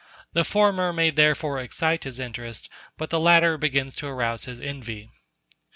The former may therefore excite his interest, but the latter begins to arouse his envy.